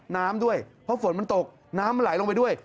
น้ำด้วยเพราะฝนมันตกน้ำมันไหลลงไปด้วย